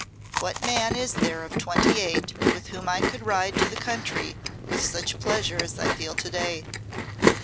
What man is there of twenty eight with whom I could ride to the country with such pleasure as I feel to day.